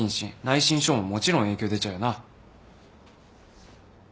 内申書ももちろん影響出ちゃうよな。